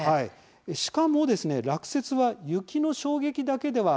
しかも、落雪は雪の衝撃だけではありません。